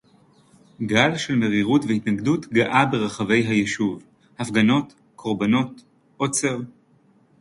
גל של מרירות והתנגדות גאה ברחבי הישוב. הפגנות, קרבנות, עוצר.